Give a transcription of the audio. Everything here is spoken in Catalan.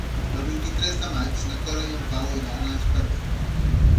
El vint-i-tres de maig na Cora i en Pau iran a Espadella.